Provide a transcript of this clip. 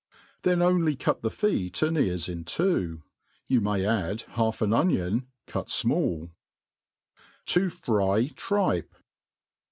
Then only ^ut the feet and ears in twoi» You may add i^alf an onion, cut jfmalU To fry Tripe.